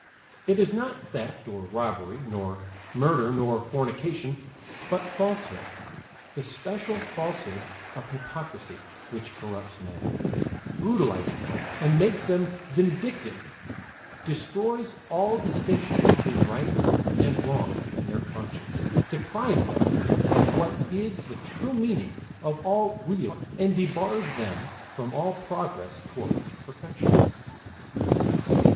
It is not theft nor robbery nor murder nor fornication, but falsehood, the special falsehood of hypocrisy, which corrupts men, brutalizes them and makes them vindictive, destroys all distinction between right and wrong in their conscience, deprives them of what is the true meaning of all real human life, and debars them from all progress toward perfection.